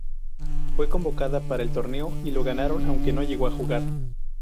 Fue convocada para el torneo y lo ganaron, aunque no llegó a jugar.